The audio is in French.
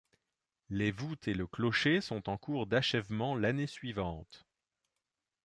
Les voûtes et le clocher sont en cours d'achèvement l'année suivante.